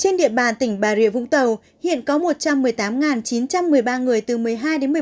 trên địa bàn tỉnh bà rịa vũng tàu hiện có một trăm một mươi tám chín trăm một mươi ba người từ một mươi hai đến một mươi bảy